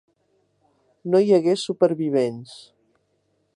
No hi hagué supervivents.